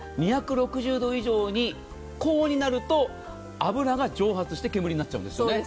２６０度以上に高温になると油が蒸発して煙になるんです。